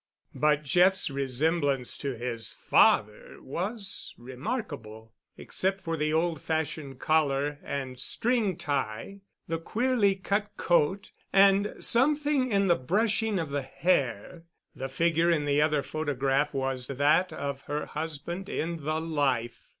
But Jeff's resemblance to his father was remarkable. Except for the old fashioned collar and "string" tie, the queerly cut coat, and something in the brushing of the hair, the figure in the other photograph was that of her husband in the life.